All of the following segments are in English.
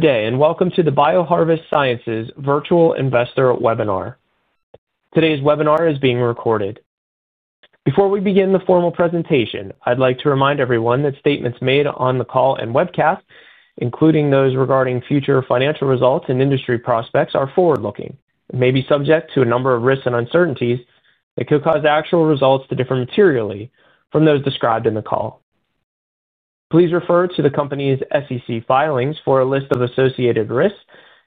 Good day and welcome to the BioHarvest Sciences Virtual Investor Webinar. Today's webinar is being recorded. Before we begin the formal presentation, I'd like to remind everyone that statements made on the call and webcast, including those regarding future financial results and industry prospects, are forward-looking and may be subject to a number of risks and uncertainties that could cause the actual results to differ materially from those described in the call. Please refer to the company's SEC filings for a list of associated risks,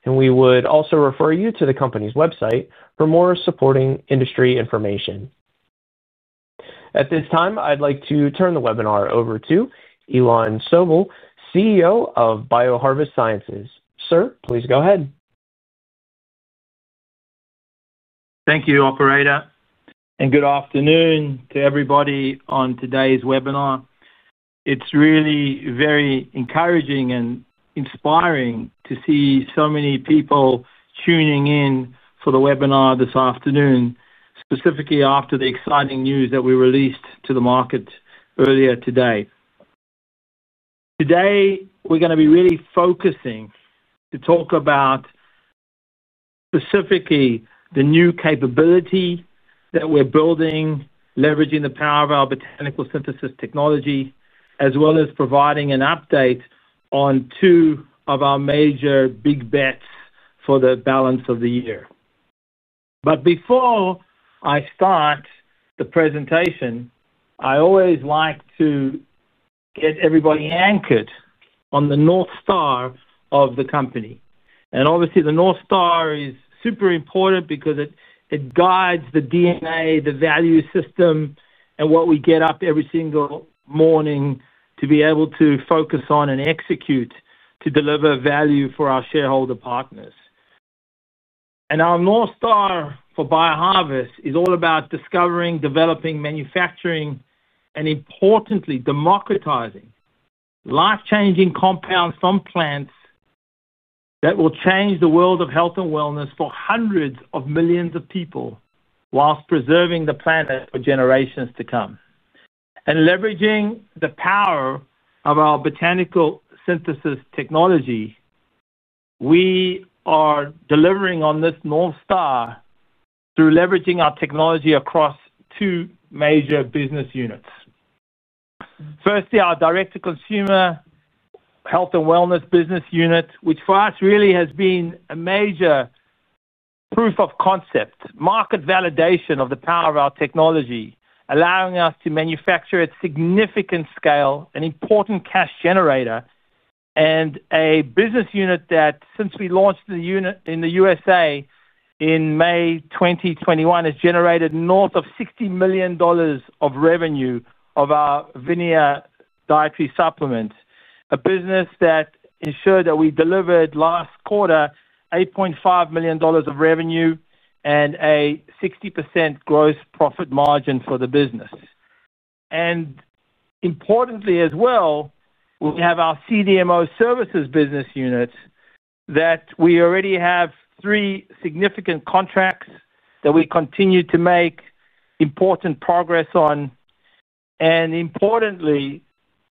and we would also refer you to the company's website for more supporting industry information. At this time, I'd like to turn the webinar over to Ilan Sobel, CEO of BioHarvest Sciences. Sir, please go ahead. Thank you, operator, and good afternoon to everybody on today's webinar. It's really very encouraging and inspiring to see so many people tuning in for the webinar this afternoon, specifically after the exciting news that we released to the market earlier today. Today, we're going to be really focusing to talk about specifically the new capability that we're building, leveraging the power of Botanical Synthesis Technology, as well as providing an update on two of our major big bets for the balance of the year. Before I start the presentation, I always like to get everybody anchored on the North Star of the company. Obviously, the North Star is super important because it guides the DNA, the value system, and what we get up every single morning to be able to focus on and execute to deliver value for our shareholder partners. Our North Star for BioHarvest is all about discovering, developing, manufacturing, and importantly, democratizing life-changing compounds from plants that will change the world of health and wellness for hundreds of millions of people, whilst preserving the planet for generations to come. Leveraging the power of Botanical Synthesis Technology, we are delivering on this North Star through leveraging our technology across two major business units. Firstly, our direct-to-consumer health and wellness business unit, which for us really has been a major proof of concept, market validation of the power of our technology, allowing us to manufacture at significant scale, an important cash generator, and a business unit that, since we launched in the U.S. in May 2021, has generated north of $60 million of revenue of our VINIA dietary supplements, a business that ensured that we delivered last quarter $8.5 million of revenue and a 60% gross profit margin for the business. Importantly as well, we have our CDMO services business unit that we already have three significant contracts that we continue to make important progress on. Importantly,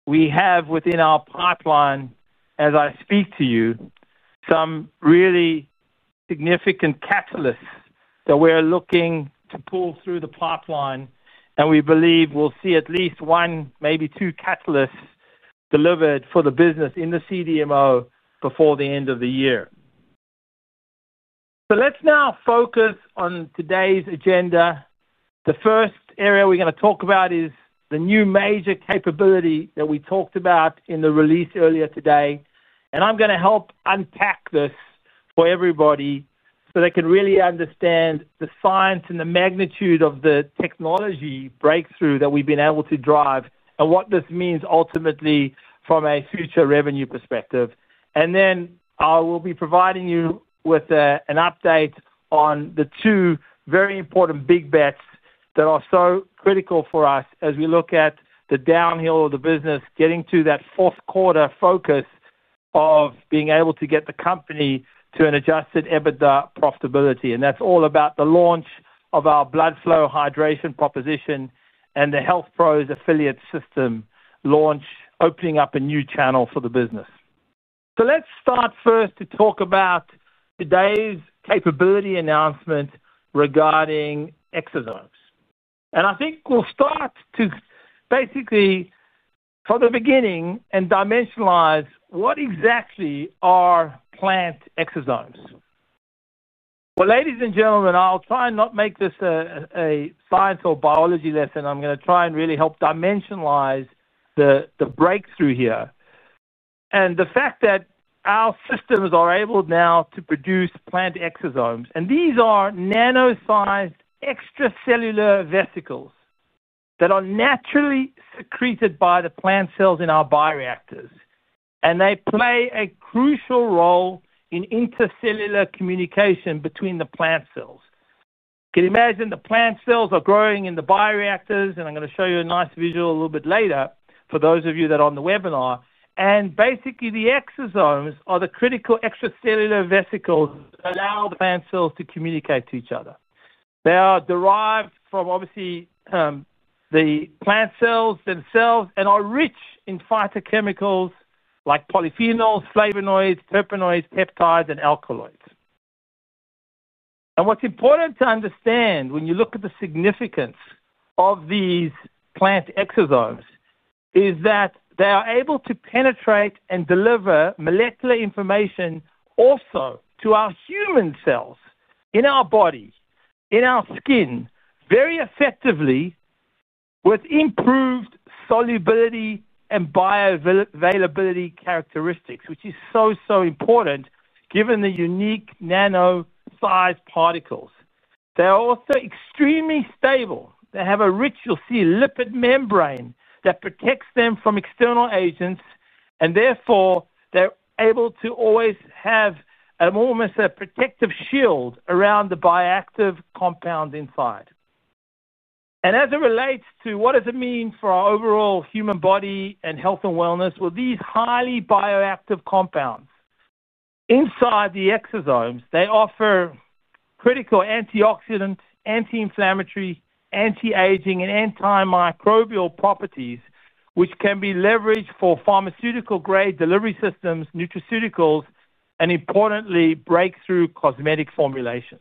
we have within our pipeline, as I speak to you, some really significant catalysts that we're looking to pull through the pipeline, and we believe we'll see at least one, maybe two catalysts delivered for the business in the CDMO before the end of the year. Let's now focus on today's agenda. The first area we're going to talk about is the new major capability that we talked about in the release earlier today. I'm going to help unpack this for everybody so they can really understand the science and the magnitude of the technology breakthrough that we've been able to drive and what this means ultimately from a future revenue perspective. I will be providing you with an update on the two very important big bets that are so critical for us as we look at the downhill of the business, getting to that fourth quarter focus of being able to get the company to an adjusted EBITDA profitability. That's all about the launch of our blood flow hydration proposition and the Health Pros Affiliate system launch, opening up a new channel for the business. Let's start first to talk about today's capability announcement regarding exosomes. I think we'll start basically from the beginning and dimensionalize what exactly are plant exosomes. Ladies and gentlemen, I'll try and not make this a science or biology lesson. I'm going to try and really help dimensionalize the breakthrough here. The fact that our systems are able now to produce plant exosomes, and these are nanosized extracellular vesicles that are naturally secreted by the plant cells in our bioreactors, and they play a crucial role in intercellular communication between the plant cells. You can imagine the plant cells are growing in the bioreactors, and I'm going to show you a nice visual a little bit later for those of you that are on the webinar. Basically, the exosomes are the critical extracellular vesicles that allow the plant cells to communicate to each other. They are derived from, obviously, the plant cells themselves and are rich in phytochemicals like polyphenols, flavonoids, terpenoids, peptides, and alkaloids. What's important to understand when you look at the significance of these plant exosomes is that they are able to penetrate and deliver molecular information also to our human cells in our body, in our skin, very effectively with improved solubility and bioavailability characteristics, which is so, so important given the unique nanosized particles. They are also extremely stable. They have a rich, you'll see, lipid membrane that protects them from external agents, and therefore they're able to always have almost a protective shield around the bioactive compounds inside. As it relates to what does it mean for our overall human body and health and wellness, these highly bioactive compounds inside the exosomes offer critical antioxidant, anti-inflammatory, anti-aging, and antimicrobial properties, which can be leveraged for pharmaceutical-grade delivery systems, nutraceuticals, and importantly, breakthrough cosmetic formulations.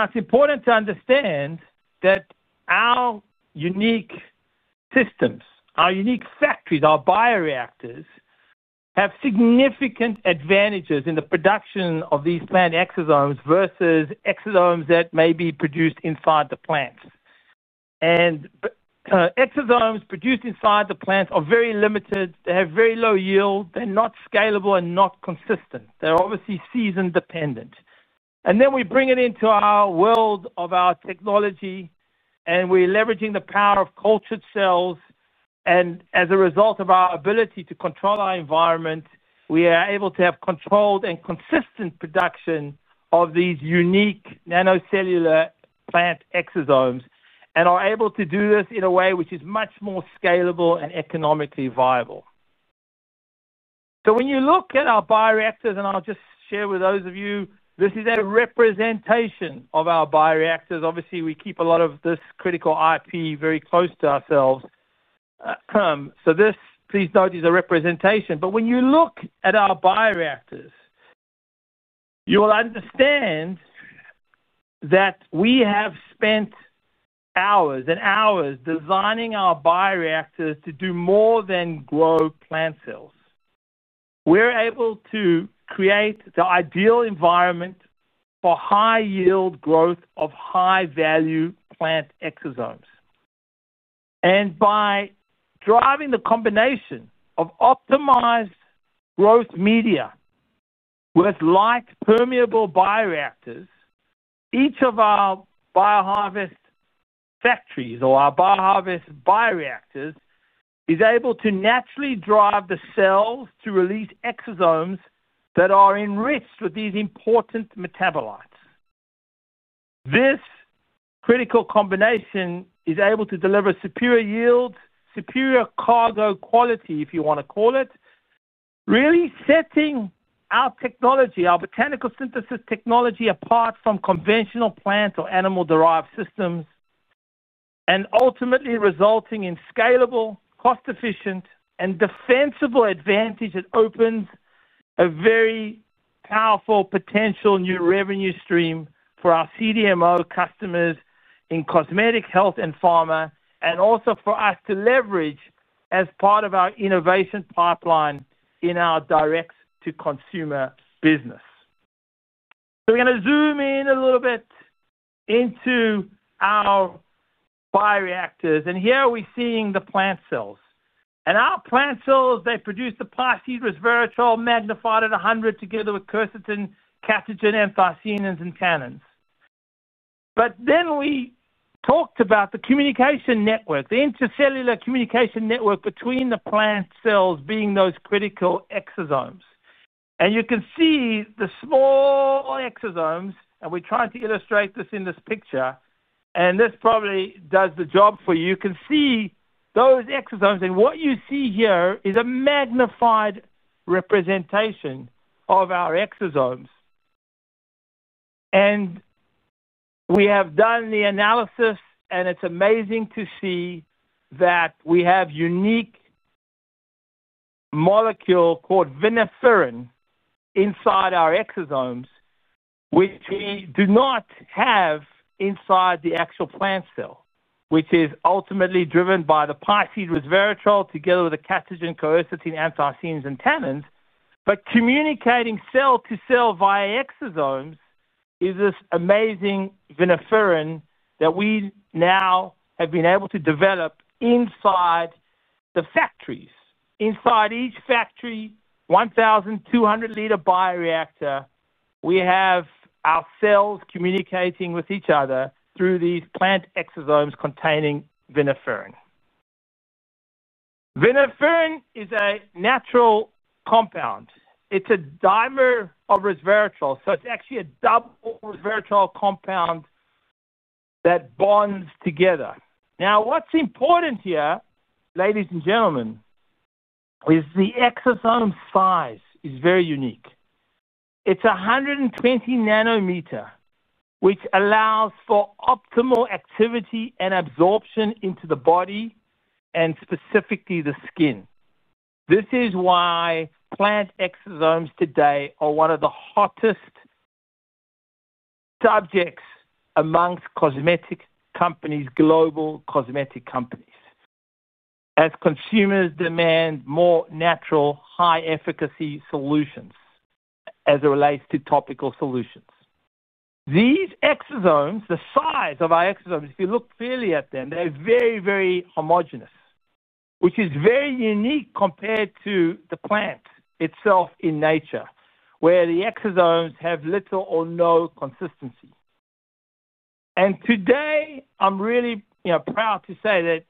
It's important to understand that our unique systems, our unique factories, our bioreactors have significant advantages in the production of these plant exosomes versus exosomes that may be produced inside the plants. Exosomes produced inside the plants are very limited. They have very low yield, they're not scalable and not consistent, and they're obviously season dependent. We bring it into our world of our technology, and we're leveraging the power of cultured cells. As a result of our ability to control our environment, we are able to have controlled and consistent production of these unique nanocellular plant exosomes and are able to do this in a way which is much more scalable and economically viable. When you look at our bioreactors, and I'll just share with those of you, this is a representation of our bioreactors. We keep a lot of this critical IP very close to ourselves. This, please note, is a representation. When you look at our bioreactors, you'll understand that we have spent hours and hours designing our bioreactors to do more than grow plant cells. We're able to create the ideal environment for high-yield growth of high-value plant exosomes. By driving the combination of optimized growth media with light permeable bioreactors, each of our BioHarvest factories or our BioHarvest bioreactors is able to naturally drive the cells to release exosomes that are enriched with these important metabolites. This critical combination is able to deliver superior yields, superior cargo quality, if you want to call it, really setting our technology, Botanical Synthesis Technology, apart from conventional plant or animal-derived systems and ultimately resulting in scalable, cost-efficient, and defensible advantage that opens a very powerful potential new revenue stream for our CDMO customers in cosmetic health and pharma, and also for us to leverage as part of our innovation pipeline in our direct-to-consumer business. We're going to zoom in a little bit into our bioreactors, and here we're seeing the plant cells. Our plant cells produce the plasmid resveratrol magnified at 100 together with quercetin, catechin, anthocyanins, and tannins. We talked about the communication network, the intercellular communication network between the plant cells being those critical exosomes. You can see the small exosomes, and we're trying to illustrate this in this picture, and this probably does the job for you. You can see those exosomes, and what you see here is a magnified representation of our exosomes. We have done the analysis, and it's amazing to see that we have a unique molecule called viniferin inside our exosomes, which we do not have inside the actual plant cell, which is ultimately driven by the plasmid resveratrol together with the catechin, quercetin, anthocyanins, and tannins. Communicating cell to cell via exosomes is this amazing viniferin that we now have been able to develop inside the factories. Inside each factory, 1,200 L bioreactor, we have our cells communicating with each other through these plant exosomes containing viniferin. Viniferin is a natural compound. It's a dimer of resveratrol, so it's actually a double resveratrol compound that bonds together. Now, what's important here, ladies and gentlemen, is the exosome size is very unique. It's 120 nm, which allows for optimal activity and absorption into the body and specifically the skin. This is why plant exosomes today are one of the hottest subjects amongst cosmetic companies, global cosmetic companies, as consumers demand more natural, high-efficacy solutions as it relates to topical solutions. These exosomes, the size of our exosomes, if you look clearly at them, they're very, very homogenous, which is very unique compared to the plant itself in nature, where the exosomes have little or no consistency. Today, I'm really proud to say that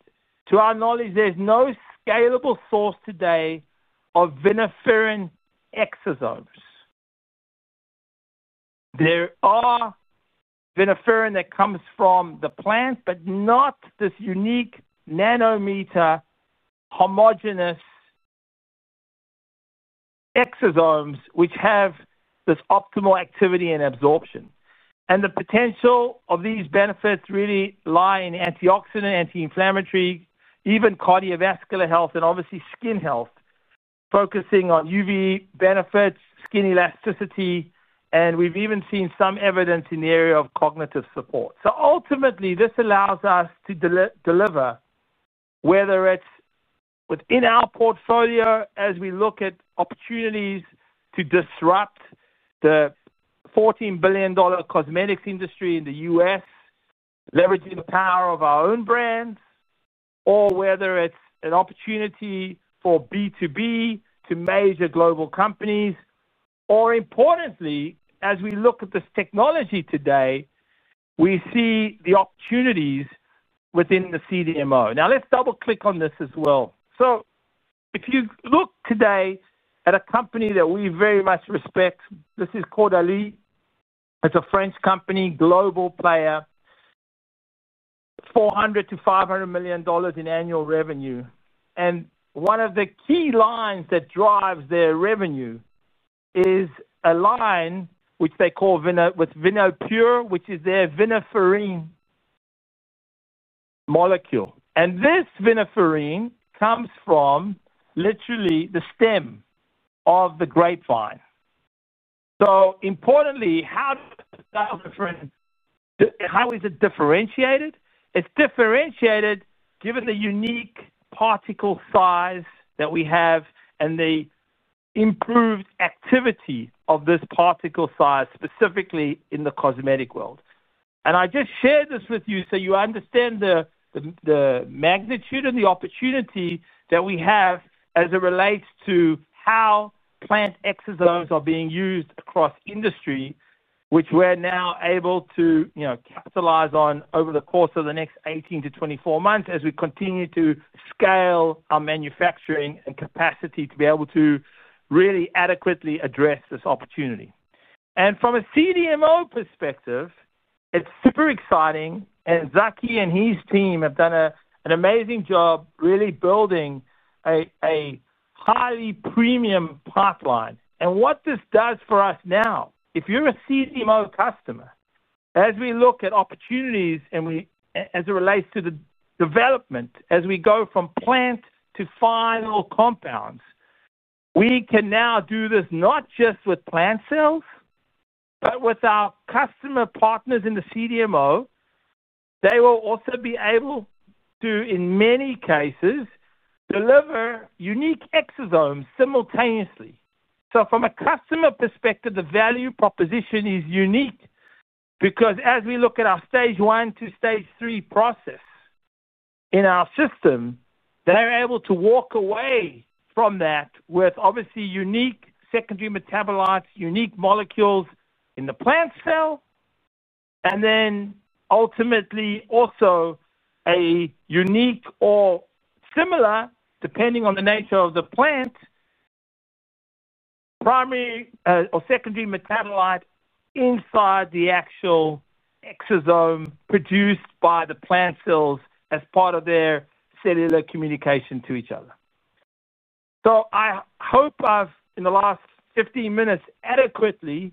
to our knowledge, there's no scalable source today of viniferin exosomes. There are viniferin that comes from the plants, but not this unique nanometer homogenous exosomes, which have this optimal activity and absorption. The potential of these benefits really lies in antioxidant, anti-inflammatory, even cardiovascular health, and obviously skin health, focusing on UV benefits, skin elasticity. We've even seen some evidence in the area of cognitive support. Ultimately, this allows us to deliver, whether it's within our portfolio as we look at opportunities to disrupt the $14 billion cosmetics industry in the U.S., leveraging the power of our own brands, whether it's an opportunity for B2B to major global companies, or importantly, as we look at this technology today, we see the opportunities within the CDMO. Now, let's double-click on this as well. If you look today at a company that we very much respect, this is Caudalie. It's a French company, global player, $400 million-$500 million in annual revenue. One of the key lines that drives their revenue is a line which they call Vinopure, which is their viniferin molecule. This viniferin comes from literally the stem of the grapevine. Importantly, how is it differentiated? It's differentiated given the unique particle size that we have and the improved activity of this particle size, specifically in the cosmetic world. I just shared this with you so you understand the magnitude and the opportunity that we have as it relates to how plant exosomes are being used across industry, which we're now able to capitalize on over the course of the next 18-24 months as we continue to scale our manufacturing and capacity to be able to really adequately address this opportunity. From a CDMO perspective, it's super exciting. Zaki and his team have done an amazing job really building a highly premium pipeline. What this does for us now, if you're a CDMO customer, as we look at opportunities and as it relates to the development, as we go from plant to final compounds, we can now do this not just with plant cells, but with our customer partners in the CDMO. They will also be able to, in many cases, deliver unique exosomes simultaneously. From a customer perspective, the value proposition is unique because as we look at our stage one to stage three process in our system, they're able to walk away from that with obviously unique secondary metabolites, unique molecules in the plant cell, and then ultimately also a unique or similar, depending on the nature of the plant, primary or secondary metabolite inside the actual exosome produced by the plant cells as part of their cellular communication to each other. I hope I've, in the last 15 minutes, adequately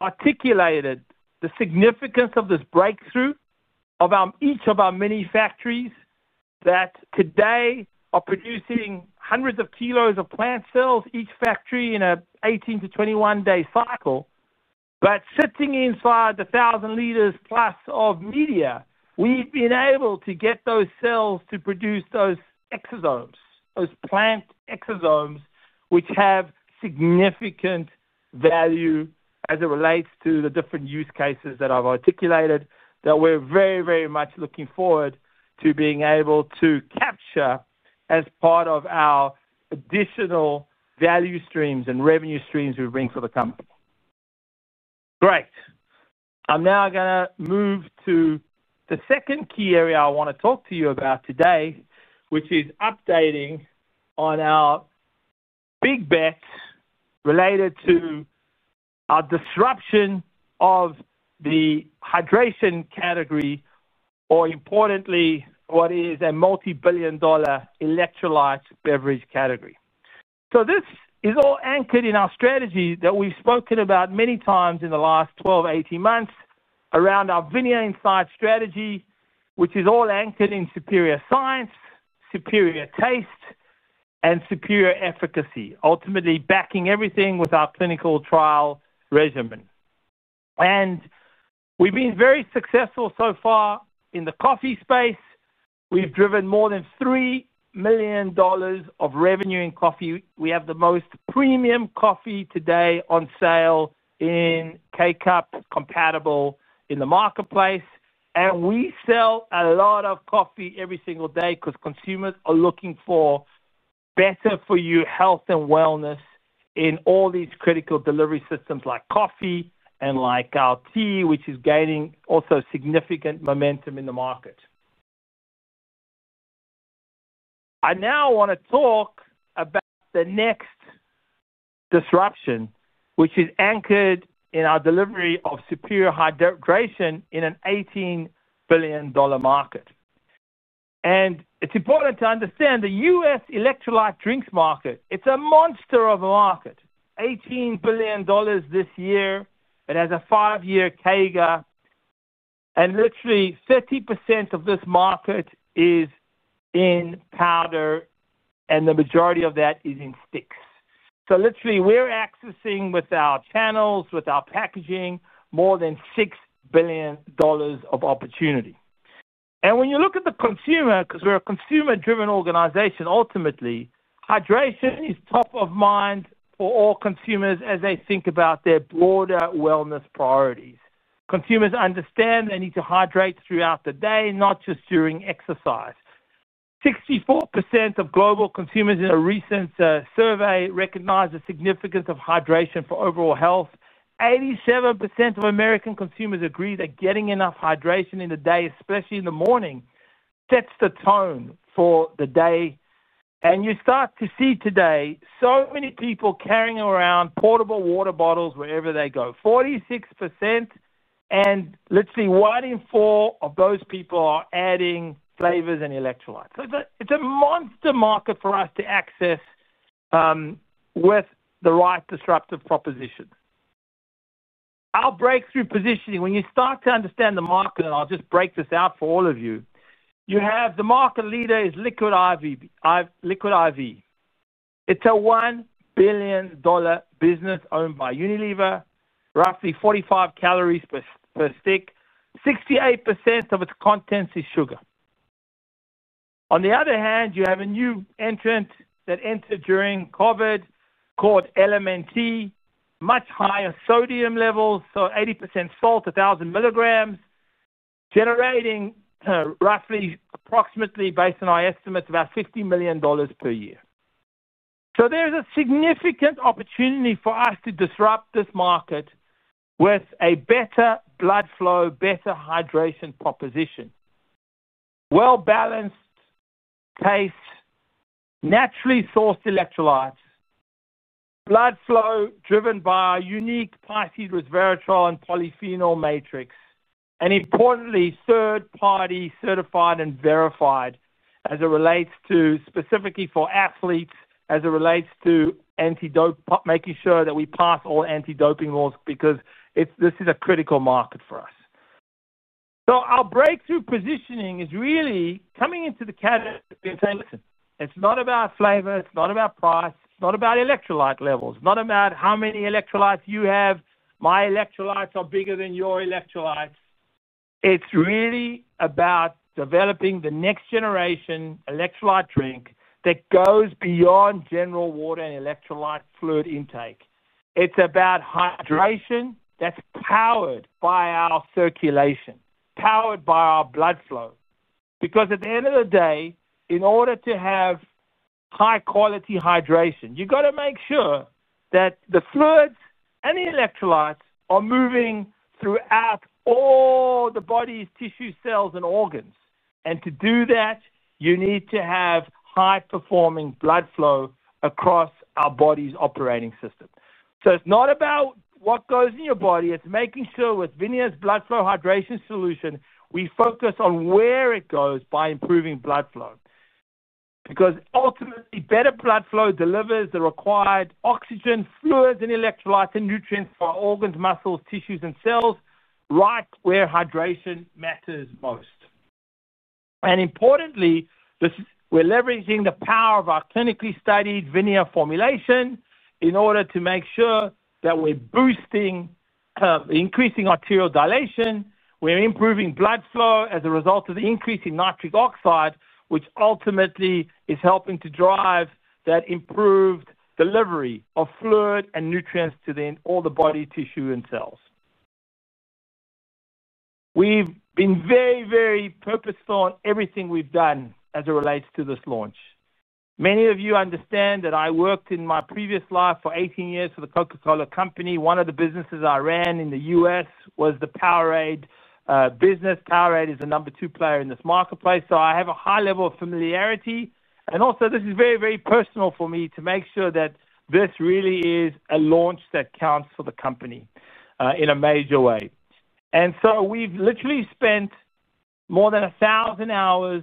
articulated the significance of this breakthrough of each of our many factories that today are producing hundreds of kilos of plant cells, each factory in an 18-21 day cycle. Sitting inside the 1,000+ L of media, we've been able to get those cells to produce those exosomes, those plant exosomes, which have significant value as it relates to the different use cases that I've articulated that we're very, very much looking forward to being able to capture as part of our additional value streams and revenue streams we bring for the company. Great. I'm now going to move to the second key area I want to talk to you about today, which is updating on our big bets related to our disruption of the hydration category, or importantly, what is a multi-billion dollar electrolyte beverage category. This is all anchored in our strategy that we've spoken about many times in the last 12, 18 months around our VINIA inside strategy, which is all anchored in superior science, superior taste, and superior efficacy, ultimately backing everything with our clinical trial regimen. We've been very successful so far in the coffee space. We've driven more than $3 million of revenue in coffee. We have the most premium coffee today on sale in K-cup compatible in the marketplace. We sell a lot of coffee every single day because consumers are looking for better-for-you health and wellness in all these critical delivery systems like coffee and like our tea, which is gaining also significant momentum in the market. I now want to talk about the next disruption, which is anchored in our delivery of superior hydration in an $18 billion market. It's important to understand the U.S. electrolyte drinks market. It's a monster of a market. $18 billion this year. It has a five-year CAGR, and literally 30% of this market is in powder, and the majority of that is in sticks. Literally, we're accessing with our channels, with our packaging, more than $6 billion of opportunity. When you look at the consumer, because we're a consumer-driven organization, ultimately, hydration is top of mind for all consumers as they think about their broader wellness priorities. Consumers understand they need to hydrate throughout the day, not just during exercise. 64% of global consumers in a recent survey recognize the significance of hydration for overall health. 87% of American consumers agree that getting enough hydration in the day, especially in the morning, sets the tone for the day. You start to see today so many people carrying around portable water bottles wherever they go. 46%, and literally one in four of those people are adding flavors and electrolytes. It's a monster market for us to access with the right disruptive proposition. Our breakthrough positioning, when you start to understand the market, and I'll just break this out for all of you, you have the market leader is Liquid I.V. It's a $1 billion business owned by Unilever, roughly 45 calories per stick. 68% of its contents is sugar. On the other hand, you have a new entrant that entered during COVID called LMNT, much higher sodium levels, so 80% salt, 1,000 mg, generating roughly, approximately based on our estimates, about $50 million per year. There's a significant opportunity for us to disrupt this market with a better blood flow, better hydration proposition, well-balanced taste, naturally sourced electrolytes, blood flow driven by our unique plasmid resveratrol and polyphenol matrix, and importantly, third-party certified and verified as it relates to specifically for athletes, as it relates to making sure that we pass all anti-doping laws because this is a critical market for us. Our breakthrough positioning is really coming into the category and saying, listen, it's not about flavor, it's not about price, it's not about electrolyte levels, it's not about how many electrolytes you have. My electrolytes are bigger than your electrolytes. It's really about developing the next generation electrolyte drink that goes beyond general water and electrolyte fluid intake. It's about hydration that's powered by our circulation, powered by our blood flow. At the end of the day, in order to have high-quality hydration, you've got to make sure that the fluids and the electrolytes are moving throughout all the body's tissues, cells, and organs. To do that, you need to have high-performing blood flow across our body's operating system. It's not about what goes in your body. It's making sure with VINIA blood flow hydration solution, we focus on where it goes by improving blood flow. Ultimately, better blood flow delivers the required oxygen, fluids, and electrolytes, and nutrients for organs, muscles, tissues, and cells right where hydration matters most. Importantly, we're leveraging the power of our clinically studied VINIA formulation in order to make sure that we're increasing arterial dilation. We're improving blood flow as a result of the increase in nitric oxide, which ultimately is helping to drive that improved delivery of fluid and nutrients to all the body tissue and cells. We've been very, very purposeful in everything we've done as it relates to this launch. Many of you understand that I worked in my previous life for 18 years for the Coca-Cola Company. One of the businesses I ran in the U.S. was the Powerade business. Powerade is the number two player in this marketplace. I have a high level of familiarity. This is very, very personal for me to make sure that this really is a launch that counts for the company in a major way. We've literally spent more than 1,000 hours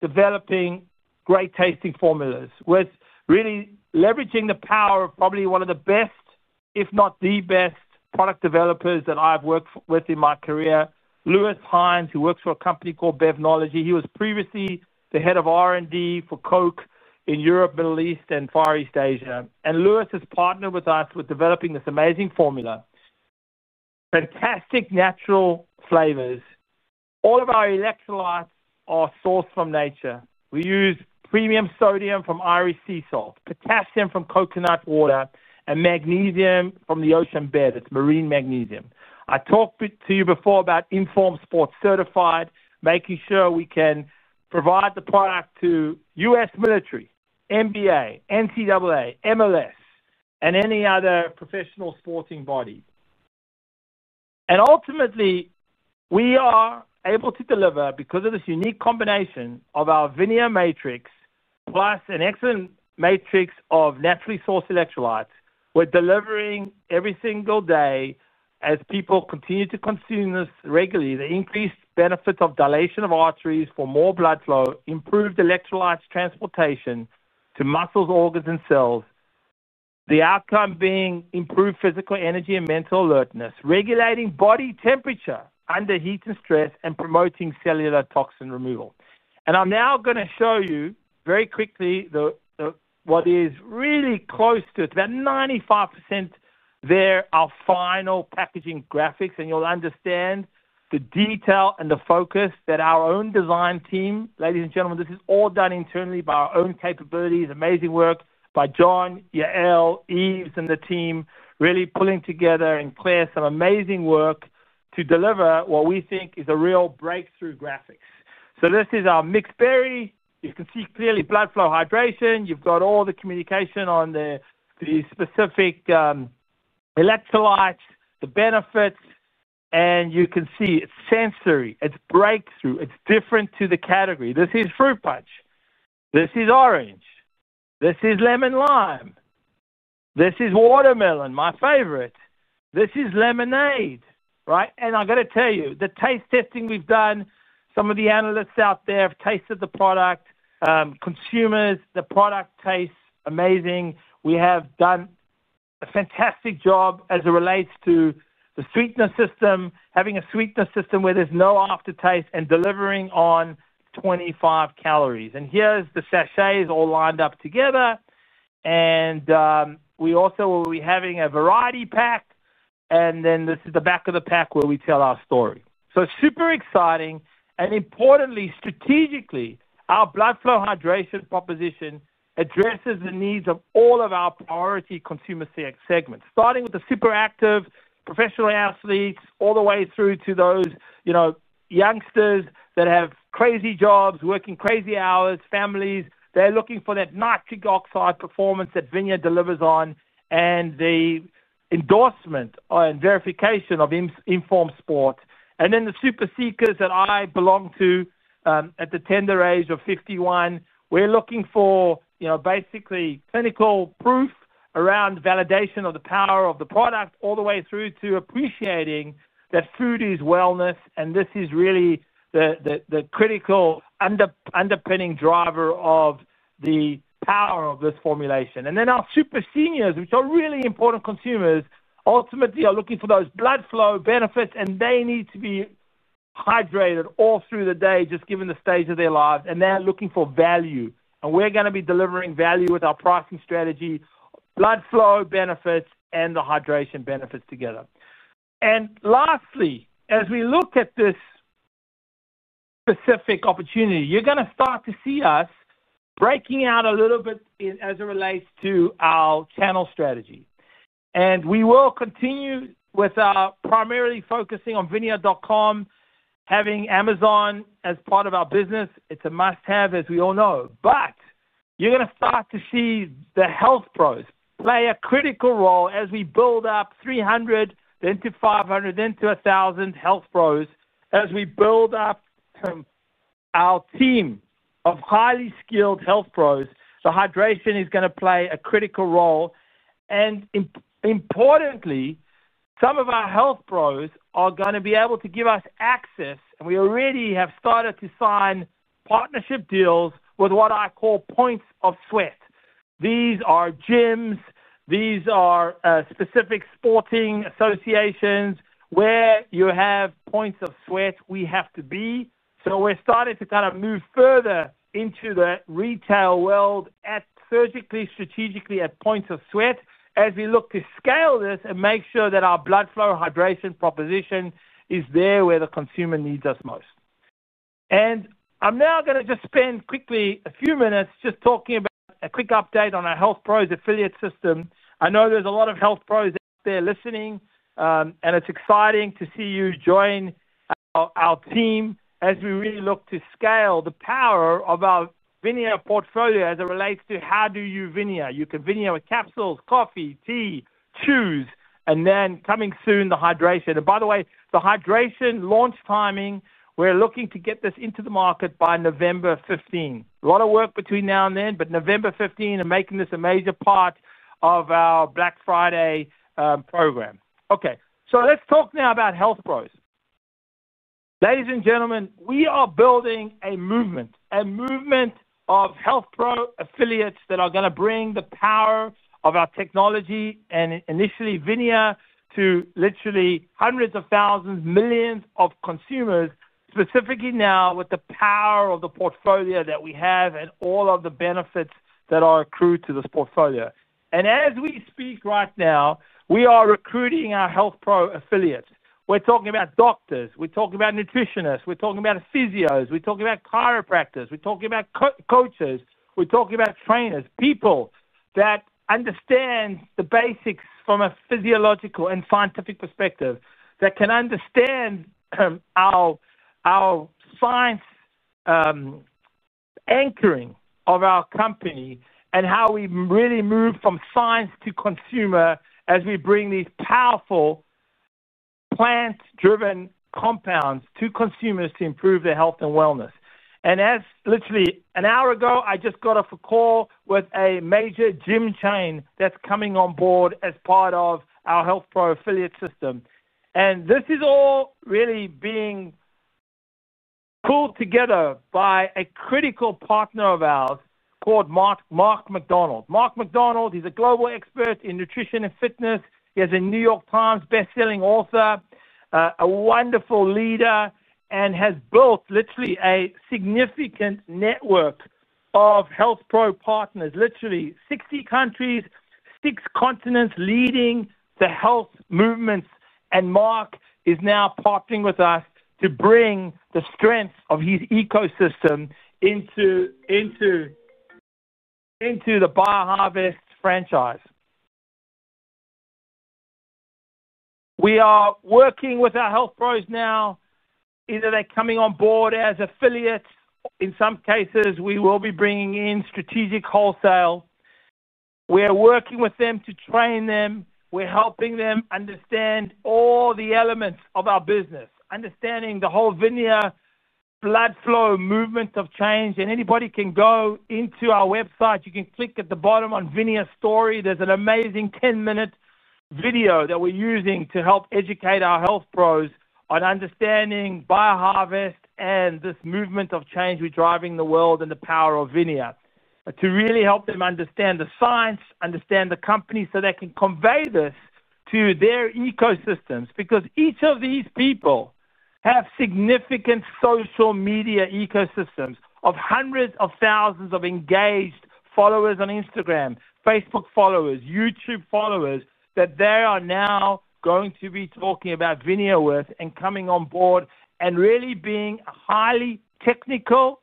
developing great tasting formulas with really leveraging the power of probably one of the best, if not the best, product developers that I've worked with in my career, Louis Heinsz, who works for a company called Bevnology. He was previously the head of R&D for Coke in Europe, Middle East, and Far East Asia. Louis has partnered with us with developing this amazing formula, fantastic natural flavors. All of our electrolytes are sourced from nature. We use premium sodium from Irish sea salt, potassium from coconut water, and magnesium from the ocean bed. It's marine magnesium. I talked to you before about Informed Sports Certified, making sure we can provide the product to U.S. military, NBA, NCAA, MLS, and any other professional sporting body. Ultimately, we are able to deliver, because of this unique combination of our VINIA matrix plus an excellent matrix of naturally sourced electrolytes, we're delivering every single day as people continue to consume this regularly. The increased benefits of dilation of arteries for more blood flow, improved electrolytes transportation to muscles, organs, and cells, the outcome being improved physical energy and mental alertness, regulating body temperature under heat and stress, and promoting cellular toxin removal. I'm now going to show you very quickly what is really close to that 95% there, our final packaging graphics. You'll understand the detail and the focus that our own design team, ladies and gentlemen, this is all done internally by our own capabilities, amazing work by John, Yael, Yves, and the team really pulling together and Claire, some amazing work to deliver what we think is a real breakthrough graphics. This is our mixed berry. You can see clearly blood flow hydration. You've got all the communication on the specific electrolytes, the benefits, and you can see it's sensory. It's breakthrough. It's different to the category. This is fruit punch. This is orange. This is lemon lime. This is watermelon, my favorite. This is lemonade. I've got to tell you, the taste testing we've done, some of the analysts out there have tasted the product. Consumers, the product tastes amazing. We have done a fantastic job as it relates to the sweetness system, having a sweetness system where there's no aftertaste and delivering on 25 calories. Here are the sachets all lined up together. We also will be having a variety pack. This is the back of the pack where we tell our story. It's super exciting. Importantly, strategically, our blood flow hydration proposition addresses the needs of all of our priority consumer segments, starting with the super active professional athletes all the way through to those youngsters that have crazy jobs, working crazy hours, families. They're looking for that nitric oxide performance that VINIA delivers on and the endorsement and verification of Informed Sports. The super seekers that I belong to at the tender age of 51, we're looking for basically clinical proof around validation of the power of the product all the way through to appreciating that food is wellness. This is really the critical underpinning driver of the power of this formulation. Our super seniors, which are really important consumers, ultimately are looking for those blood flow benefits, and they need to be hydrated all through the day, just given the stage of their lives. They're looking for value. We're going to be delivering value with our pricing strategy, blood flow benefits, and the hydration benefits together. Lastly, as we look at this specific opportunity, you're going to start to see us breaking out a little bit as it relates to our channel strategy. We will continue with our primarily focusing on vinia.com, having Amazon as part of our business. It's a must-have, as we all know. You're going to start to see the Health Pros play a critical role as we build up 300, then to 500, then to 1,000 Health Pros. As we build up our team of highly skilled Health Pros, the hydration is going to play a critical role. Importantly, some of our Health Pros are going to be able to give us access. We already have started to sign partnership deals with what I call points of sweat. These are gyms. These are specific sporting associations where you have points of sweat. We have to be. We're starting to kind of move further into the retail world strategically at points of sweat as we look to scale this and make sure that our blood flow hydration proposition is there where the consumer needs us most. I'm now going to just spend quickly a few minutes just talking about a quick update on our Health Pros Affiliate system. I know there's a lot of Health Pros there listening, and it's exciting to see you join our team as we really look to scale the power of our VINIA portfolio as it relates to how do you VINIA. You can VINIA with capsules, coffee, tea, chews, and then coming soon, the hydration. By the way, the hydration launch timing, we're looking to get this into the market by November 15. A lot of work between now and then, but November 15 and making this a major part of our Black Friday program. Let's talk now about Health Pros. Ladies and gentlemen, we are building a movement, a movement of Health Pro affiliates that are going to bring the power of our technology and initially VINIA to literally hundreds of thousands, millions of consumers, specifically now with the power of the portfolio that we have and all of the benefits that are accrued to this portfolio. As we speak right now, we are recruiting our Health Pro affiliates. We're talking about doctors, nutritionists, physios, chiropractors, coaches, trainers, people that understand the basics from a physiological and scientific perspective, that can understand our science anchoring of our company and how we really move from science to consumer as we bring these powerful plant-driven compounds to consumers to improve their health and wellness. Literally an hour ago, I just got off a call with a major gym chain that's coming on board as part of our Health Pro Affiliate system. This is all really being pulled together by a critical partner of ours called Mark Macdonald. Mark Macdonald, he's a global expert in nutrition and fitness. He is a New York Times bestselling author, a wonderful leader, and has built literally a significant network of Health Pro partners, literally 60 countries, six continents leading the health movements. Mark is now partnering with us to bring the strength of his ecosystem into the BioHarvest franchise. We are working with our Health Pros now. Either they're coming on board as affiliates. In some cases, we will be bringing in strategic wholesale. We are working with them to train them. We are helping them understand all the elements of our business, understanding the whole VINIA blood flow movement of change. Anybody can go into our website. You can click at the bottom on VINIA Story. There is an amazing 10-minute video that we are using to help educate our Health Pros on understanding BioHarvest and this movement of change we are driving in the world and the power of VINIA to really help them understand the science, understand the company so they can convey this to their ecosystems. Each of these people have significant social media ecosystems of hundreds of thousands of engaged followers on Instagram, Facebook followers, YouTube followers that they are now going to be talking about VINIA with and coming on board and really being a highly technical,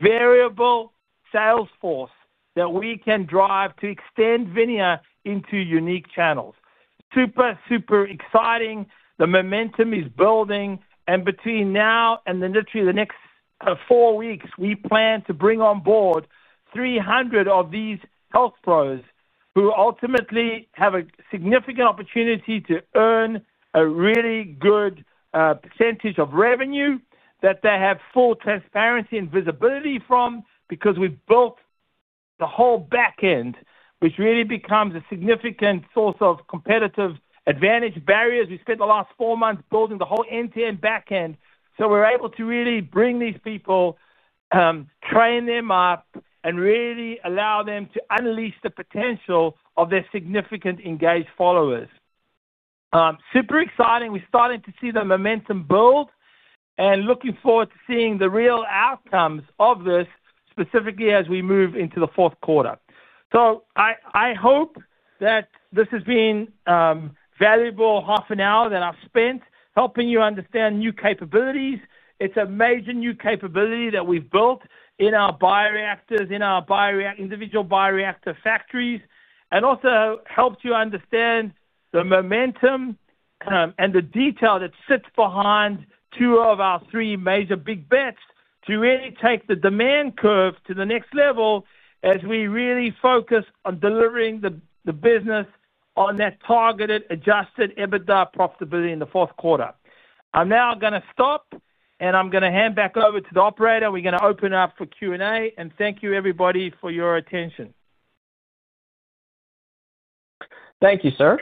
variable sales force that we can drive to extend VINIA into unique channels. Super, super exciting. The momentum is building. Between now and literally the next four weeks, we plan to bring on board 300 of these Health Pros who ultimately have a significant opportunity to earn a really good percentage of revenue that they have full transparency and visibility from because we have built the whole back end, which really becomes a significant source of competitive advantage, barriers. We spent the last four months building the whole end-to-end back end. We are able to really bring these people, train them up, and really allow them to unleash the potential of their significant engaged followers. Super exciting. We are starting to see the momentum build and looking forward to seeing the real outcomes of this specifically as we move into the fourth quarter. I hope that this has been a valuable half an hour that I have spent helping you understand new capabilities. It is a major new capability that we have built in our bioreactors, in our individual bioreactor factories, and also helps you understand the momentum and the detail that sits behind two of our three major big bets to really take the demand curve to the next level as we really focus on delivering the business on that targeted adjusted EBITDA profitability in the fourth quarter. I'm now going to stop, and I'm going to hand back over to the operator. We're going to open it up for Q&A. Thank you, everybody, for your attention. Thank you, sir.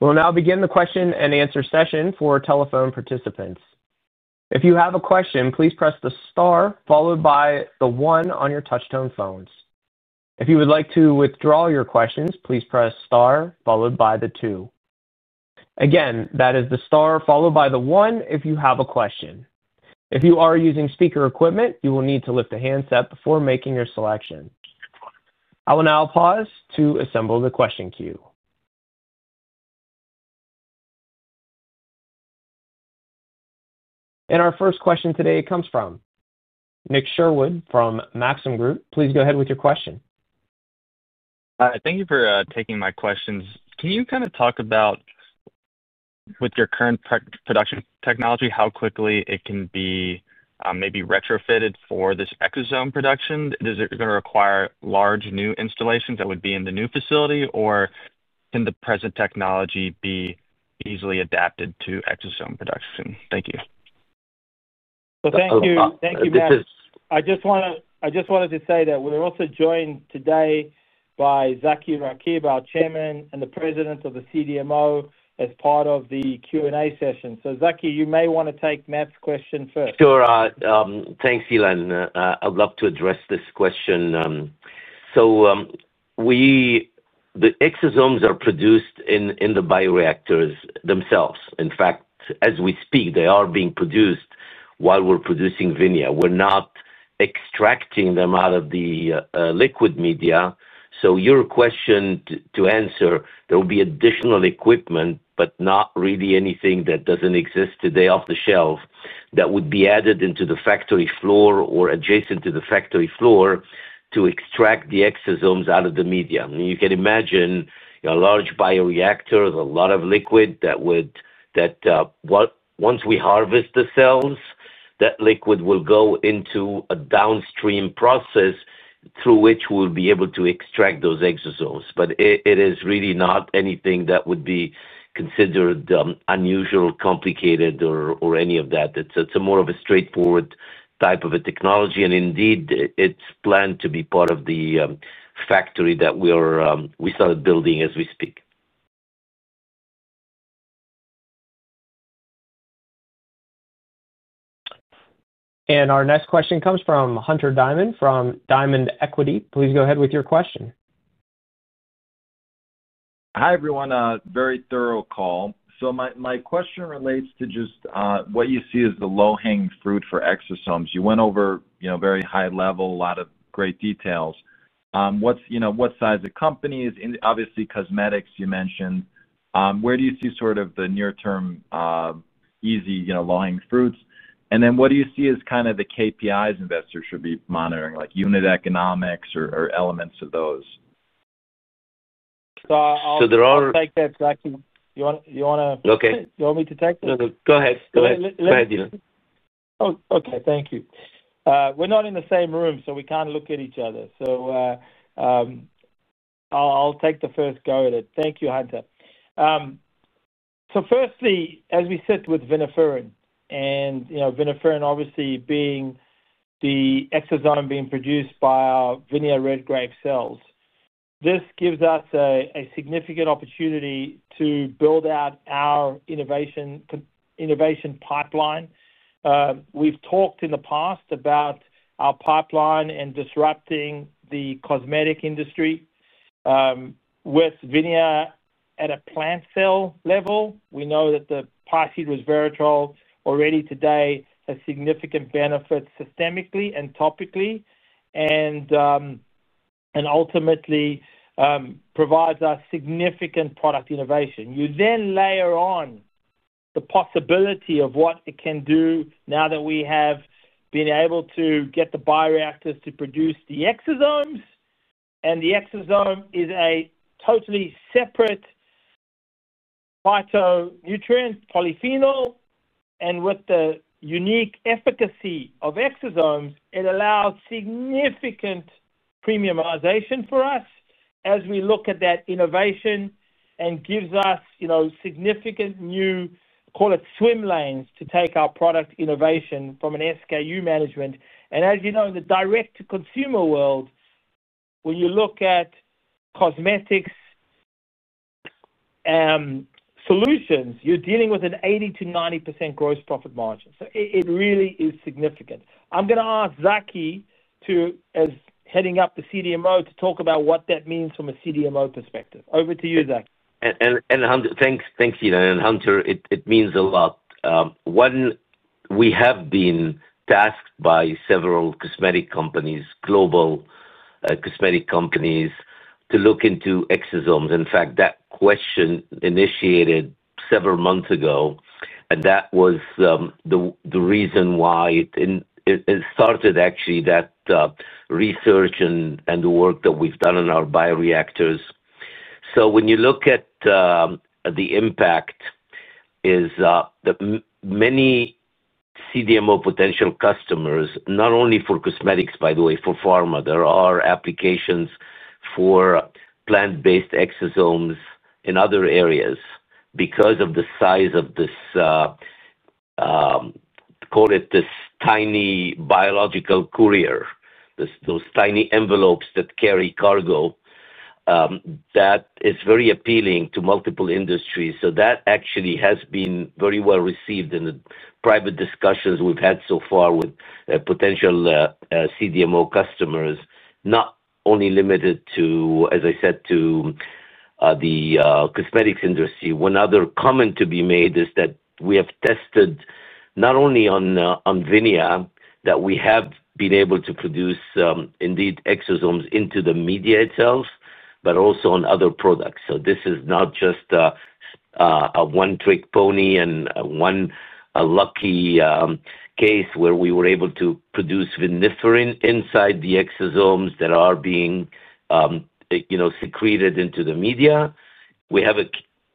We'll now begin the question and answer session for telephone participants. If you have a question, please press the star followed by the one on your touchtone phones. If you would like to withdraw your questions, please press star followed by the two. Again, that is the star followed by the one if you have a question. If you are using speaker equipment, you will need to lift a handset before making your selection. I will now pause to assemble the question queue. Our first question today comes from Nick Sherwood from Maxim Group. Please go ahead with your question. Thank you for taking my questions. Can you kind of talk about with your current production technology, how quickly it can be maybe retrofitted for this exosome production? Is it going to require large new installations that would be in the new facility, or can the present technology be easily adapted to exosome production? Thank you. Thank you, Nick. I just wanted to say that we're also joined today by Zaki Rakib, our Chairman and the President of the CDMO, as part of the Q&A session. Zaki, you may want to take Nick's question first. Sure. Thanks, Ilan. I'd love to address this question. The exosomes are produced in the bioreactors themselves. In fact, as we speak, they are being produced while we're producing VINIA. We're not extracting them out of the liquid media. To answer your question, there will be additional equipment, but not really anything that doesn't exist today off the shelf that would be added into the factory floor or adjacent to the factory floor to extract the exosomes out of the medium. You can imagine a large bioreactor with a lot of liquid that would, once we harvest the cells, that liquid will go into a downstream process through which we'll be able to extract those exosomes. It is really not anything that would be considered unusual, complicated, or any of that. It's more of a straightforward type of a technology. Indeed, it's planned to be part of the factory that we started building as we speak. Our next question comes from Hunter Diamond from Diamond Equity. Please go ahead with your question. Hi, everyone. Very thorough call. My question relates to just what you see as the low-hanging fruit for exosomes. You went over very high level, a lot of great details. What size of companies? Obviously, cosmetics, you mentioned. Where do you see the near-term easy, low-hanging fruits? What do you see as the KPIs investors should be monitoring, like unit economics or elements of those? There are. You want to? You want me to take that? Go ahead, Ilan. Oh, OK. Thank you. We're not in the same room, so we can't look at each other. I'll take the first go at it. Thank you, Hunter. Firstly, as we sit with viniferin, and viniferin obviously being the exosome being produced by our VINIA red-grape cells, this gives us a significant opportunity to build out our innovation pipeline. We've talked in the past about our pipeline and disrupting the cosmetic industry. With VINIA at a plant cell level, we know that the plasmid resveratrol already today has significant benefits systemically and topically, and ultimately provides us significant product innovation. You then layer on the possibility of what it can do now that we have been able to get the bioreactors to produce the exosomes. The exosome is a totally separate phytonutrient, polyphenol. With the unique efficacy of exosomes, it allows significant premiumization for us as we look at that innovation and gives us significant new, call it swim lanes, to take our product innovation from an SKU management. As you know, in the direct-to-consumer world, when you look at cosmetics solutions, you're dealing with an 80%-90% gross profit margin. It really is significant. I'm going to ask Zaki to, as heading up the CDMO, to talk about what that means from a CDMO perspective. Over to you, Zaki. Thank you, Ilan. Hunter, it means a lot. We have been tasked by several global cosmetic companies to look into exosomes. In fact, that question initiated several months ago. That was the reason why it started, actually, that research and the work that we've done on our bioreactors. When you look at the impact, many CDMO potential customers, not only for cosmetics, by the way, for pharma, there are applications for plant-based exosomes in other areas because of the size of this, call it this tiny biological courier, those tiny envelopes that carry cargo. That is very appealing to multiple industries. That actually has been very well received in the private discussions we've had so far with potential CDMO customers, not only limited to, as I said, the cosmetics industry. One other comment to be made is that we have tested not only on VINIA that we have been able to produce indeed exosomes into the media itself, but also on other products. This is not just a one-trick pony and one lucky case where we were able to produce viniferin inside the exosomes that are being secreted into the media. We have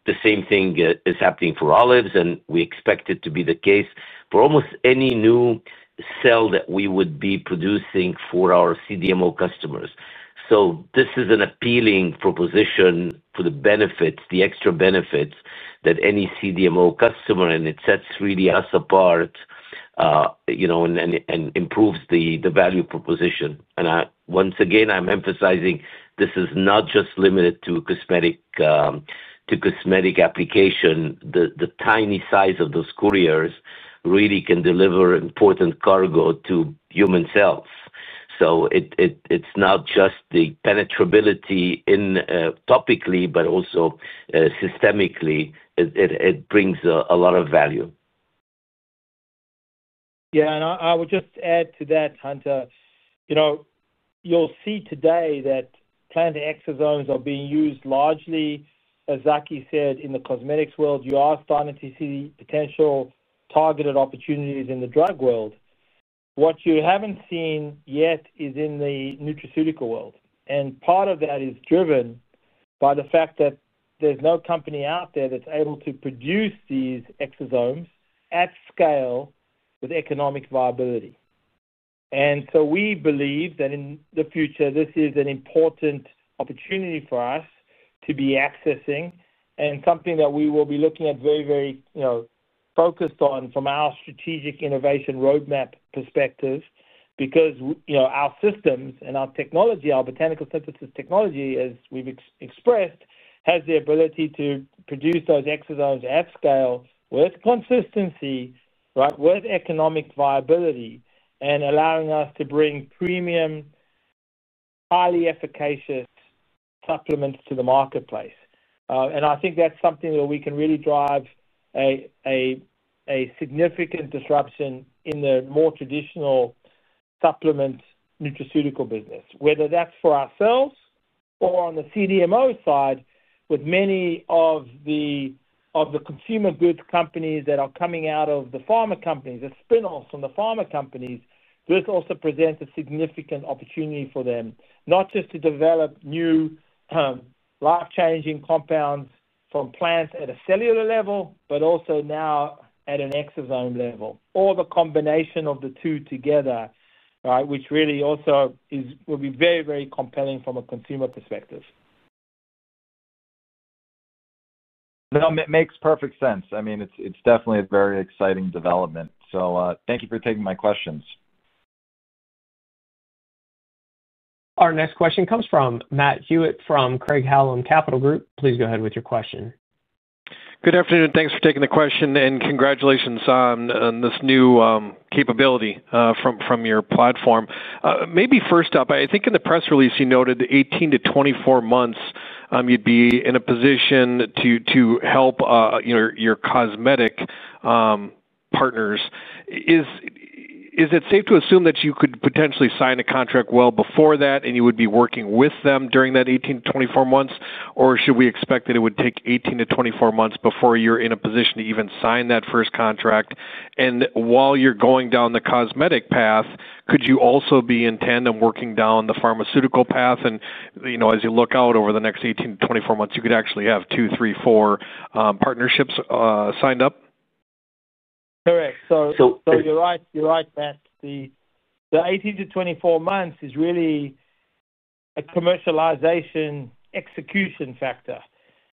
the same thing that is happening for olives, and we expect it to be the case for almost any new cell that we would be producing for our CDMO customers. This is an appealing proposition for the benefits, the extra benefits that any CDMO customer, and it sets us apart, you know, and improves the value proposition. Once again, I'm emphasizing this is not just limited to cosmetic application. The tiny size of those couriers really can deliver important cargo to human cells. It's not just the penetrability topically, but also systemically, it brings a lot of value. Yeah, I would just add to that, Hunter. You know, you'll see today that plant exosomes are being used largely, as Zaki said, in the cosmetics world. You are starting to see potential targeted opportunities in the drug world. What you haven't seen yet is in the nutraceutical world. Part of that is driven by the fact that there's no company out there that's able to produce these exosomes at scale with economic viability. We believe that in the future, this is an important opportunity for us to be accessing and something that we will be looking at very, very focused on from our strategic innovation roadmap perspective. Our systems and our technology, Botanical Synthesis Technology, as we've expressed, has the ability to produce those exosomes at scale with consistency, with economic viability, and allowing us to bring premium, highly efficacious supplements to the marketplace. I think that's something where we can really drive a significant disruption in the more traditional supplement nutraceutical business, whether that's for ourselves or on the CDMO side with many of the consumer goods companies that are coming out of the pharma companies, the spin-offs from the pharma companies. This also presents a significant opportunity for them, not just to develop new life-changing compounds from plants at a cellular level, but also now at an exosome level, or the combination of the two together, which really also will be very, very compelling from a consumer perspective. No, it makes perfect sense. I mean, it's definitely a very exciting development. Thank you for taking my questions. Our next question comes from Matt Hewitt from Craig-Hallum Capital Group. Please go ahead with your question. Good afternoon. Thanks for taking the question and congratulations on this new capability from your platform. Maybe first up, I think in the press release you noted 18-24 months you'd be in a position to help your cosmetic partners. Is it safe to assume that you could potentially sign a contract well before that, and you would be working with them during that 18-24 months? Should we expect that it would take 18-24 months before you're in a position to even sign that first contract? While you're going down the cosmetic path, could you also be in tandem working down the pharmaceutical path? As you look out over the next 18-24 months, you could actually have two, three, four partnerships signed up. Correct. You're right, Matt. The 18-24 months is really a commercialization execution factor.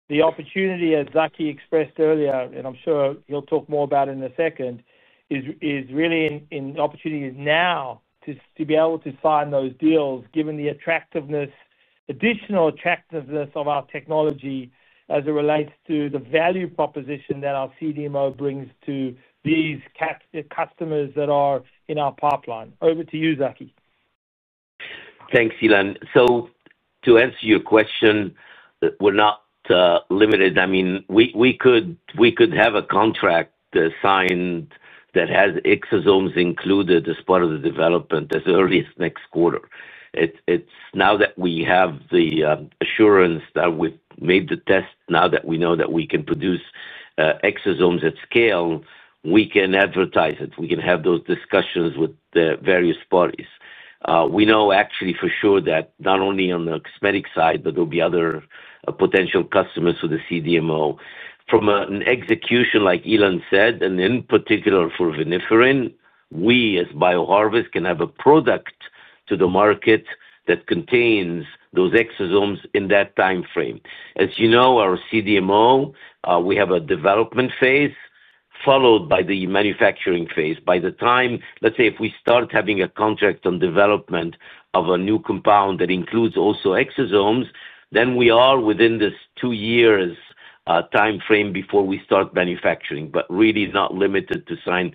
The opportunity, as Zaki expressed earlier, and I'm sure he'll talk more about it in a second, is really an opportunity now to be able to sign those deals, given the additional attractiveness of our technology as it relates to the value proposition that our CDMO brings to these customers that are in our pipeline. Over to you, Zaki. Thanks, Ilan. To answer your question, we're not limited. We could have a contract signed that has exosomes included as part of the development as early as next quarter. Now that we have the assurance that we've made the test, now that we know that we can produce exosomes at scale, we can advertise it. We can have those discussions with the various parties. We know for sure that not only on the cosmetic side, but there will be other potential customers for the CDMO. From an execution, like Ilan said, and in particular for viniferin, we as BioHarvest can have a product to the market that contains those exosomes in that time frame. As you know, our CDMO has a development phase followed by the manufacturing phase. By the time, let's say, if we start having a contract on development of a new compound that includes also exosomes, then we are within this two-year time frame before we start manufacturing, but really not limited to sign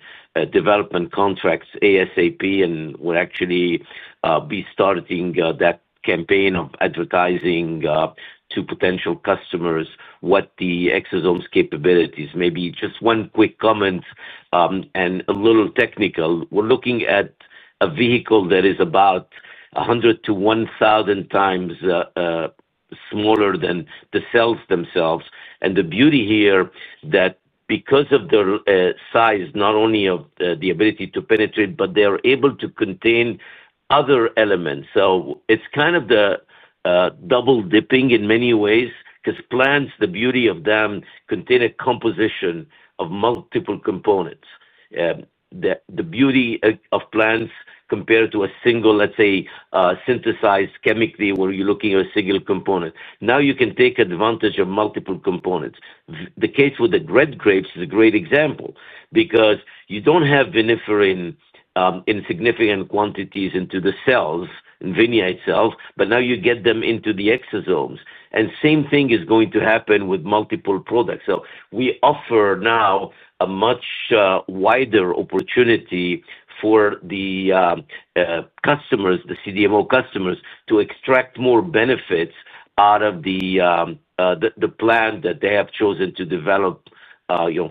development contracts ASAP. We'll actually be starting that campaign of advertising to potential customers what the exosomes' capabilities may be. Just one quick comment and a little technical. We're looking at a vehicle that is about 100-1,000x smaller than the cells themselves. The beauty here is that because of the size, not only of the ability to penetrate, but they are able to contain other elements. It's kind of the double dipping in many ways because plants, the beauty of them, contain a composition of multiple components. The beauty of plants compared to a single, let's say, synthesized chemically where you're looking at a single component. Now you can take advantage of multiple components. The case with the red grapes is a great example because you don't have viniferin in significant quantities in the cells in VINIA itself, but now you get them into the exosomes. The same thing is going to happen with multiple products. We offer now a much wider opportunity for the customers, the CDMO customers, to extract more benefits out of the plant that they have chosen to develop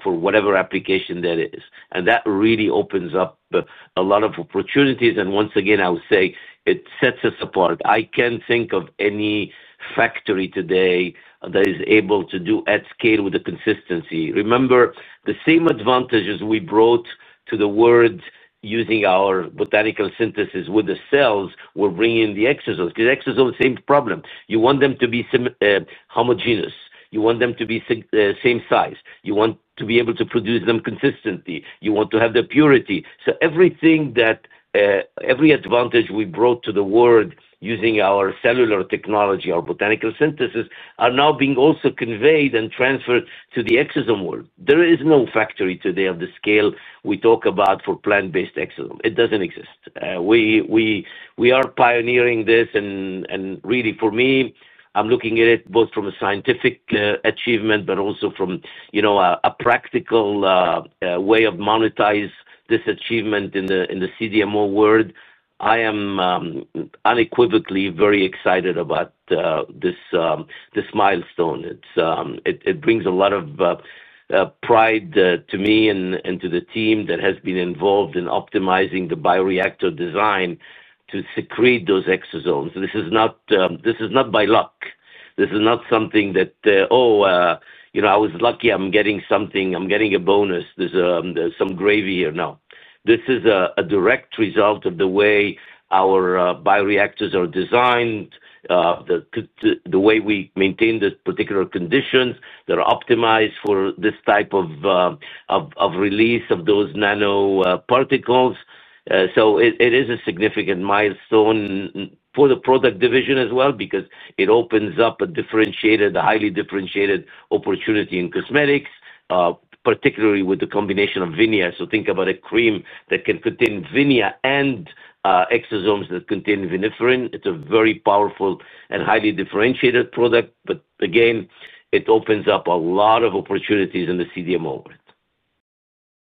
for whatever application that is. That really opens up a lot of opportunities. Once again, I would say it sets us apart. I can't think of any factory today that is able to do at scale with the consistency. Remember the same advantages we brought to the world using our Botanical Synthesis with the cells. We're bringing in the exosomes. Exosomes, same problem. You want them to be homogeneous. You want them to be the same size. You want to be able to produce them consistently. You want to have their purity. Everything that every advantage we brought to the world using our cellular technology, our Botanical Synthesis, is now being also conveyed and transferred to the exosome world. There is no factory today on the scale we talk about for plant-based exosomes. It doesn't exist. We are pioneering this. For me, I'm looking at it both from a scientific achievement, but also from a practical way of monetizing this achievement in the CDMO world. I am unequivocally very excited about this milestone. It brings a lot of pride to me and to the team that has been involved in optimizing the bioreactor design to secrete those exosomes. This is not by luck. This is not something that, oh, you know, I was lucky. I'm getting something. I'm getting a bonus. There's some gravy here. No. This is a direct result of the way our bioreactors are designed, the way we maintain the particular conditions that are optimized for this type of release of those nanoparticles. It is a significant milestone for the product division as well because it opens up a differentiated, a highly differentiated opportunity in cosmetics, particularly with the combination of VINIA. Think about a cream that can contain VINIA and exosomes that contain viniferin. It's a very powerful and highly differentiated product. Again, it opens up a lot of opportunities in the CDMO.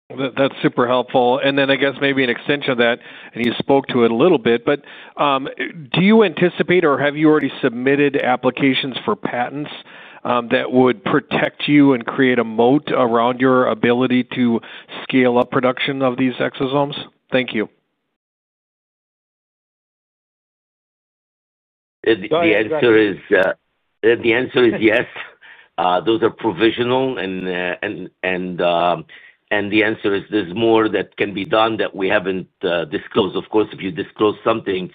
That's super helpful. I guess maybe an extension of that, you spoke to it a little bit, but do you anticipate or have you already submitted applications for patents that would protect you and create a moat around your ability to scale up production of these exosomes? Thank you. The answer is yes. Those are provisional. The answer is there's more that can be done that we haven't disclosed. Of course, if you disclose something,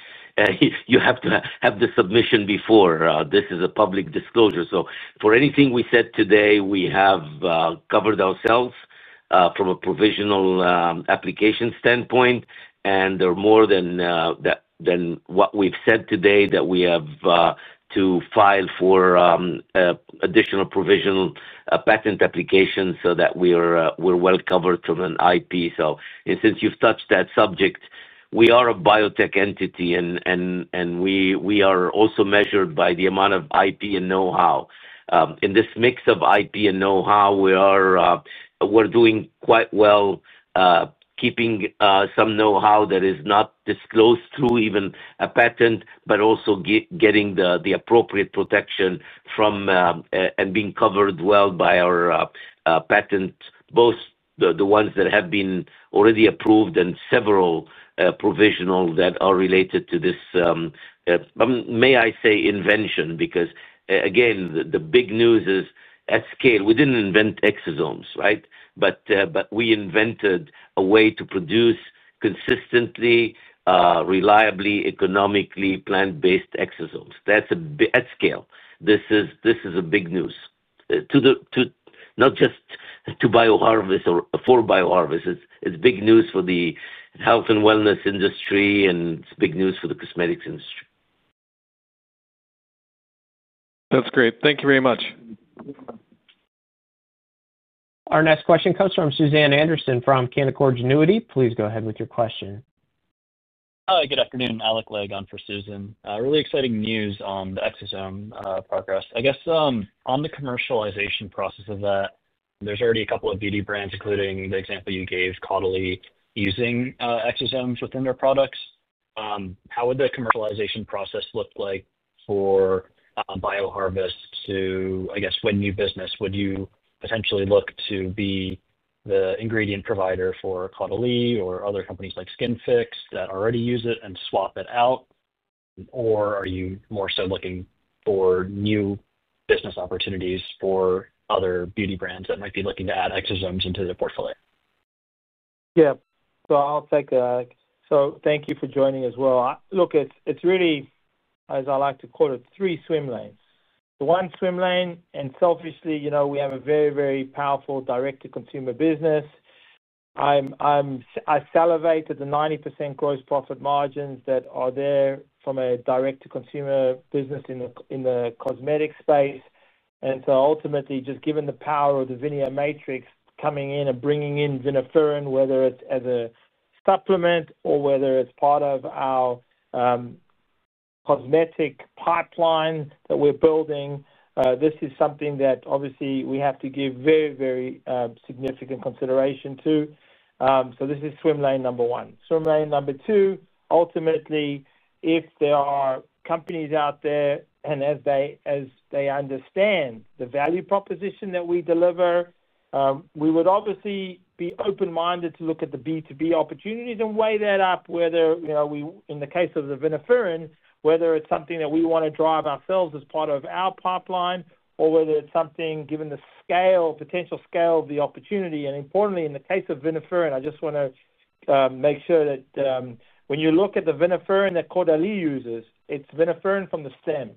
you have to have the submission before. This is a public disclosure. For anything we said today, we have covered ourselves from a provisional application standpoint. There are more than what we've said today that we have to file for additional provisional patent applications so that we're well covered from an IP. Since you've touched that subject, we are a biotech entity, and we are also measured by the amount of IP and know-how. In this mix of IP and know-how, we are doing quite well, keeping some know-how that is not disclosed through even a patent, but also getting the appropriate protection from and being covered well by our patent, both the ones that have been already approved and several provisional that are related to this, may I say, invention. The big news is at scale, we didn't invent exosomes, right? We invented a way to produce consistently, reliably, economically plant-based exosomes. That's at scale. This is big news not just to BioHarvest or for BioHarvest. It's big news for the health and wellness industry, and it's big news for the cosmetics industry. That's great. Thank you very much. Our next question comes from Susan Anderson from Canaccord Genuity. Please go ahead with your question. Hi, good afternoon. Alec Legg on for Susan. Really exciting news on the exosome progress. I guess on the commercialization process of that, there's already a couple of beauty brands, including the example you gave, Caudalie, using exosomes within their products. How would the commercialization process look like for BioHarvest to, I guess, win new business? Would you potentially look to be the ingredient provider for Caudalie or other companies like Skinfix that already use it and swap it out? Or are you more so looking for new business opportunities for other beauty brands that might be looking to add exosomes into their portfolio? Yeah. I'll take it, Alec. Thank you for joining as well. Look, it's really, as I like to call it, three swim lanes. The one swim lane, and selfishly, we have a very, very powerful direct-to-consumer business. I salivated at the 90% gross profit margins that are there from a direct-to-consumer business in the cosmetic space. Ultimately, just given the power of the VINIA matrix coming in and bringing in viniferin, whether it's as a supplement or whether it's part of our cosmetic pipeline that we're building, this is something that obviously we have to give very, very significant consideration to. This is swim lane number one. Swim lane number two, ultimately, if there are companies out there, and as they understand the value proposition that we deliver, we would obviously be open-minded to look at the B2B opportunities and weigh that up, whether, in the case of the viniferin, it's something that we want to drive ourselves as part of our pipeline or whether it's something given the scale, potential scale of the opportunity. Importantly, in the case of viniferin, I just want to make sure that when you look at the viniferin that Caudalie uses, it's viniferin from the stem.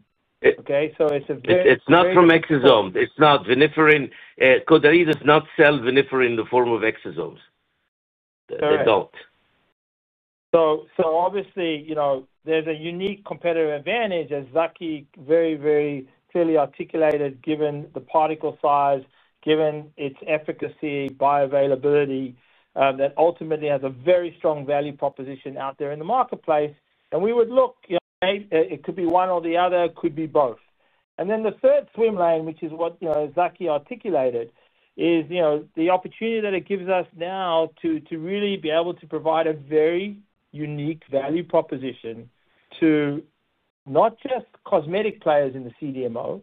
OK? It's a very. It's not from exosomes. It's not viniferin. Caudalie does not sell viniferin in the form of exosomes. They don't. Obviously, there's a unique competitive advantage, as Zaki very, very clearly articulated, given the particle size, given its efficacy, bioavailability, that ultimately has a very strong value proposition out there in the marketplace. We would look, it could be one or the other. It could be both. The third swim lane, which is what Zaki articulated, is the opportunity that it gives us now to really be able to provide a very unique value proposition to not just cosmetic players in the CDMO,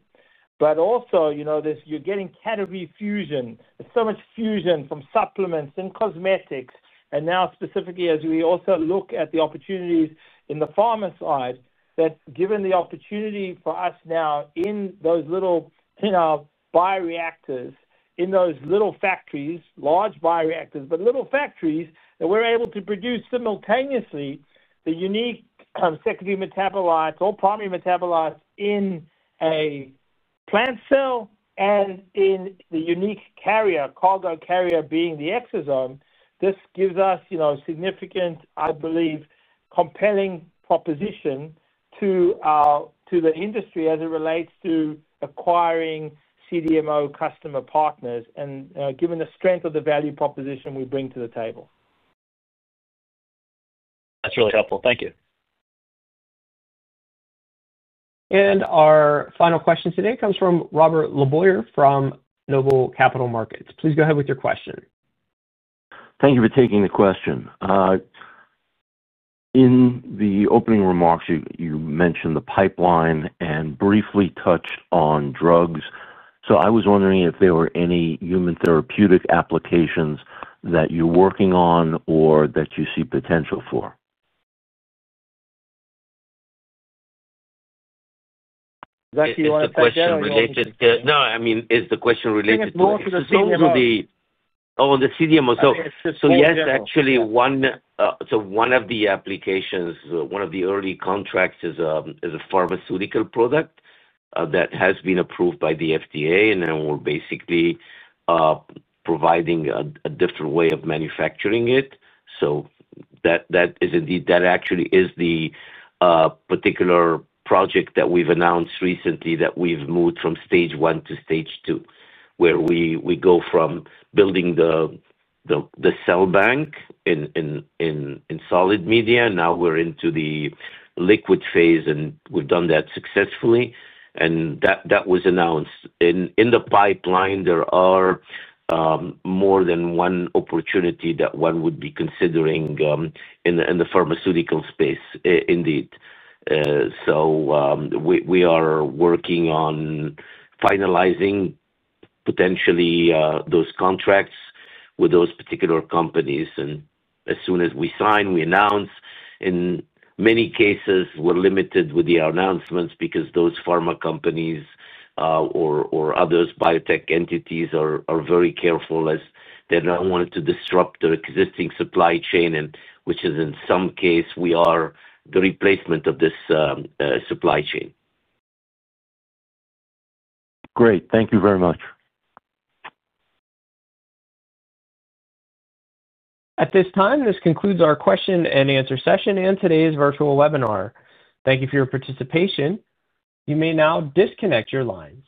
but also you're getting category fusion. There's so much fusion from supplements and cosmetics. Now specifically, as we also look at the opportunities in the pharma side, that given the opportunity for us now in those little bioreactors, in those little factories, large bioreactors, but little factories, that we're able to produce simultaneously the unique secondary metabolites or primary metabolites in a plant cell and in the unique carrier, [calder] carrier being the exosome, this gives us significant, I believe, compelling proposition to the industry as it relates to acquiring CDMO customer partners and given the strength of the value proposition we bring to the table. That's really helpful. Thank you. Our final question today comes from Robert LeBoyer from NOBLE Capital Markets. Please go ahead with your question. Thank you for taking the question. In the opening remarks, you mentioned the pipeline and briefly touched on drugs. I was wondering if there were any human therapeutic applications that you're working on or that you see potential for. Zaki, you wanted a question related to? No, I mean, is the question related to the exosomes or the CDMO? Oh, on the CDMO. Yes, actually, one of the applications, one of the early contracts is a pharmaceutical product that has been approved by the FDA. We're basically providing a different way of manufacturing it. That is indeed, that actually is the particular project that we've announced recently that we've moved from stage one to stage two, where we go from building the cell bank in solid media. Now we're into the liquid phase, and we've done that successfully. That was announced. In the pipeline, there are more than one opportunity that one would be considering in the pharmaceutical space, indeed. We are working on finalizing potentially those contracts with those particular companies. As soon as we sign, we announce. In many cases, we're limited with the announcements because those pharma companies or other biotech entities are very careful as they don't want to disrupt their existing supply chain, which is in some case, we are the replacement of this supply chain. Great. Thank you very much. At this time, this concludes our question and answer session and today's virtual webinar. Thank you for your participation. You may now disconnect your lines.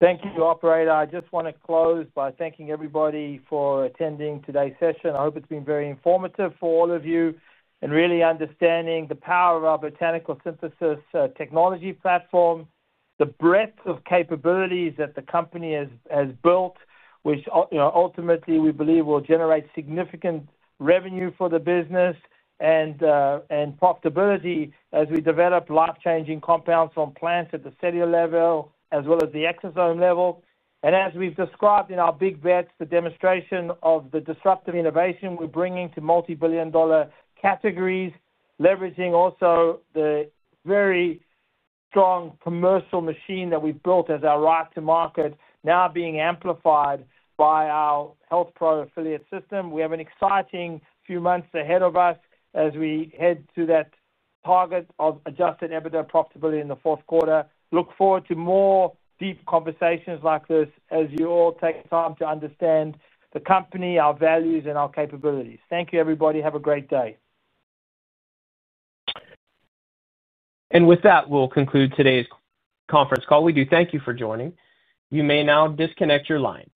Thank you, operator. I just want to close by thanking everybody for attending today's session. I hope it's been very informative for all of you in really understanding the power of Botanical Synthesis Technology platform, the breadth of capabilities that the company has built, which ultimately we believe will generate significant revenue for the business and profitability as we develop life-changing compounds on plants at the cellular level as well as the exosome level. As we've described in our big bets, the demonstration of the disruptive innovation we're bringing to multi-billion dollar categories, leveraging also the very strong commercial machine that we built as our right to market, now being amplified by our Health Pros Affiliate system. We have an exciting few months ahead of us as we head to that target of adjusted EBITDA profitability in the fourth quarter. Look forward to more deep conversations like this as you all take time to understand the company, our values, and our capabilities. Thank you, everybody. Have a great day. With that, we'll conclude today's conference call. We do thank you for joining. You may now disconnect your line.